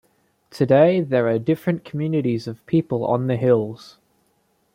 Today, there are different communities of people on the hills.